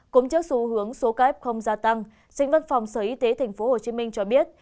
cũng trước xu hướng số ca ép không gia tăng sĩnh văn phòng sở y tế tp hcm cho biết